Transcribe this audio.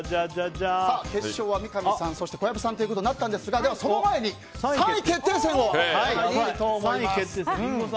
決勝は三上さんと小籔さんとなったんですが、その前に３位決定戦をやろうと思います。